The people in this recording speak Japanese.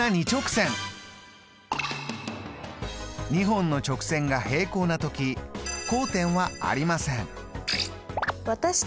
２本の直線が平行な時交点はありません。